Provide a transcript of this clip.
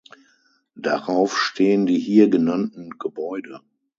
Darauf stehen die hier genannten Gebäude.